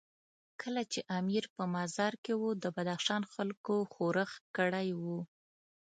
کله چې امیر په مزار شریف کې وو، د بدخشان خلکو ښورښ کړی وو.